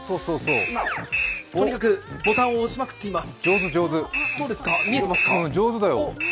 今、とにかくボタンを押しまくっています。